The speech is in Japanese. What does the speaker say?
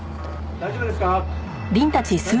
大丈夫ですか？